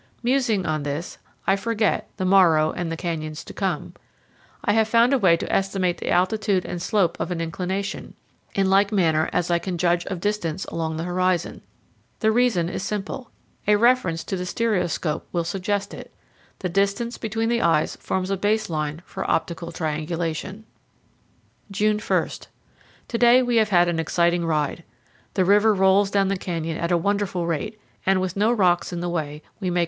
Musing on this, I forget "the morrow and the canyons to come"; I have found a way to estimate the altitude and slope of an inclination, in like manner as I can judge of distance along the horizon. The reason is simple. A reference to the stereoscope will FROM FLAMING GOEGE TO THE GATE OF LODOEE. 139 suggest it. The distance between the eyes forms a base line for optical triangulation. June 1. To day we have an exciting ride. The river rolls down the canyon at a wonderful rate, and, with no rocks in the way, we make 140 powell canyons 94.jpg SCENE IN HAND.